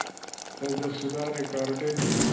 تصدیق شدہ ریکارڈنگ